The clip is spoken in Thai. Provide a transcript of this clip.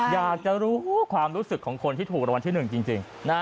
อยากจะรู้ความรู้สึกของคนที่ถูกรางวัลที่๑จริง